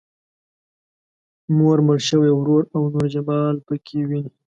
مور، مړ شوی ورور او نور جمال پکې ويني.